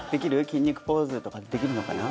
筋肉ポーズとかできるのかな？